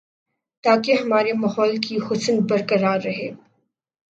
تاکہ ہمارے ماحول کی حسن برقرار رہے